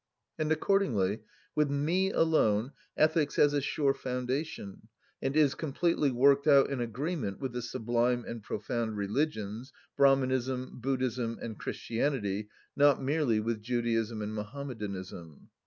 And accordingly, with me alone ethics has a sure foundation and is completely worked out in agreement with the sublime and profound religions, Brahmanism, Buddhism, and Christianity, not merely with Judaism and Mohammedanism.